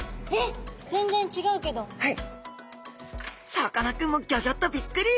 さかなクンもギョギョッとびっくり！